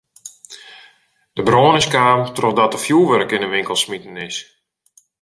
De brân is kaam trochdat der fjurwurk yn de winkel smiten is.